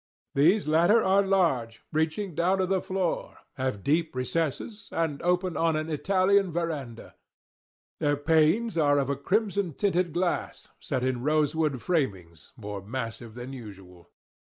These latter are large, reaching down to the floor—have deep recesses—and open on an Italian _veranda. _Their panes are of a crimson tinted glass, set in rose wood framings, more massive than usual.